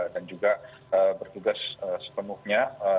dan juga bertugas sepenuhnya